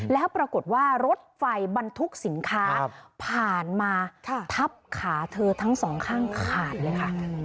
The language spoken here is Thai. แล้วปรากฏว่ารถไฟบรรทุกสินค้าผ่านมาทับขาเธอทั้งสองข้างขาดเลยค่ะ